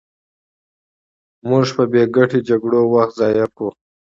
موږ په بې ګټې جګړو وخت ضایع کوو.